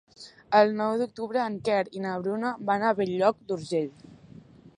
El nou d'octubre en Quer i na Bruna van a Bell-lloc d'Urgell.